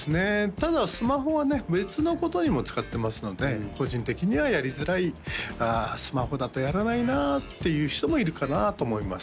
ただスマホはね別のことにも使ってますので個人的にはやりづらいスマホだとやらないなっていう人もいるかなと思います